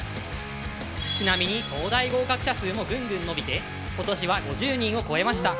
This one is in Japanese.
ちなみに東大合格者数もぐんぐん伸びて今年は５０人を超えました。